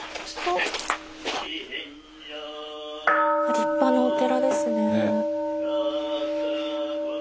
立派なお寺ですね。